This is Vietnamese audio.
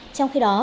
trong khi đó